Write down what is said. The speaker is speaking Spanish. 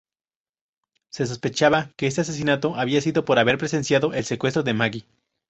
Se sospechaba que este asesinato había sido por haber presenciado el secuestro de Maggi.